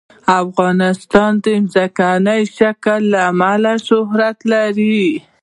افغانستان د ځمکنی شکل له امله شهرت لري.